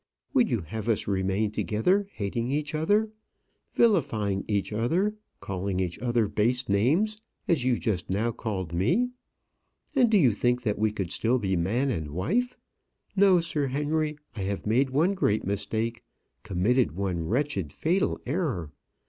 would you have us remain together, hating each other, vilifying each other, calling each other base names as you just now called me? And do you think that we could still be man and wife? No, Sir Henry. I have made one great mistake committed one wretched, fatal error.